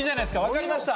分かりました。